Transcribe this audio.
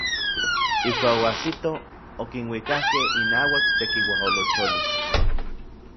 Ijkuak oajsitoj okinuikakej inauak tekiuajolocholistli.